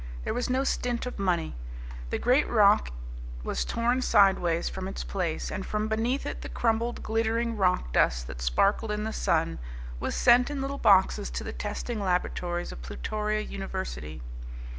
There was no stint of money. The great rock was torn sideways from its place, and from beneath it the crumbled, glittering rock dust that sparkled in the sun was sent in little boxes to the testing laboratories of Plutoria University.